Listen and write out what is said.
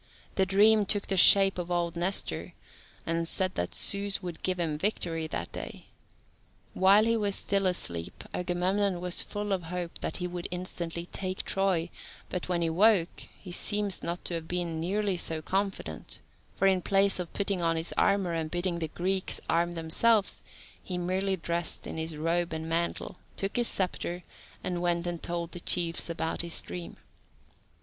The dream took the shape of old Nestor, and said that Zeus would give him victory that day. While he was still asleep, Agamemnon was fun of hope that he would instantly take Troy, but, when he woke, he seems not to have been nearly so confident, for in place of putting on his armour, and bidding the Greeks arm themselves, he merely dressed in his robe and mantle, took his sceptre, and went and told the chiefs about his dream.